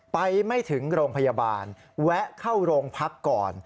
ไปไม่ถึงโรงพยาบาลแวะเข้าโรงพักก่อน